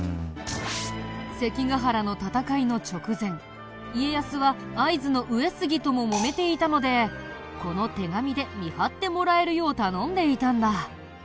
関ヶ原の戦いの直前家康は会津の上杉とももめていたのでこの手紙で見張ってもらえるよう頼んでいたんだ。